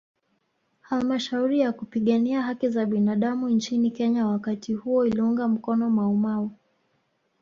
Halmashauri ya kupigania haki za binadamu nchini Kenya wakati huo iliunga mkono maumau